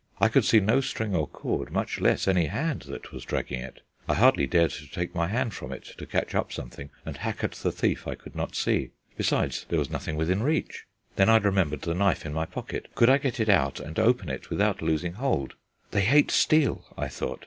I could see no string or cord, much less any hand that was dragging at it. I hardly dared to take my hand from it to catch up something and hack at the thief I could not see. Besides, there was nothing within reach. Then I remembered the knife in my pocket. Could I get it out and open it without losing hold? "They hate steel," I thought.